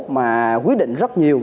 mà quyết định rất nhiều